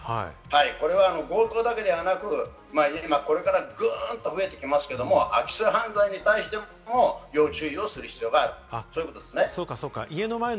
これは強盗だけではなく、これからグンと増えてきますけれども、空き巣犯罪に対しても要注意をする必要があるということです。